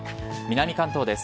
南関東です。